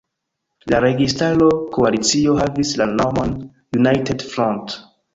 La registaro koalicio havis la nomon United Front.